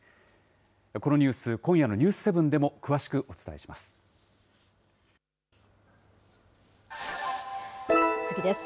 このニュース、今夜のニュース７でも詳しくお伝えします。